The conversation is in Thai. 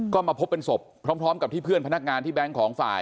ก็มาพบเป็นศพพร้อมกับที่เพื่อนพนักงานที่แบงค์ของฝ่าย